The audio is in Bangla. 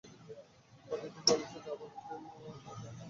ভাটির দেশ বাংলাদেশ রাবার ড্যাম দিয়ে আত্রাইয়ে অতি সামান্য পানির ব্যবস্থা করল।